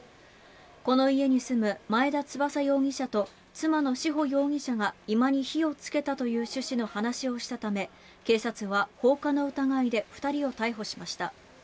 この家に住む前田翼容疑者と妻の志保容疑者が居間に火をつけたという趣旨の話をしたため警察は放火の疑いで２人を逮捕しました。